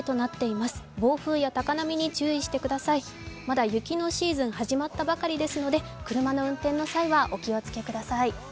まだ雪のシーズン、始まったばかりですので、車の運転の際はお気をつけください。